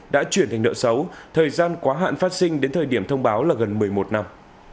đã chuyển thành nợ xấu thời gian quá hạn phát sinh đến thời điểm thông báo là gần một mươi một năm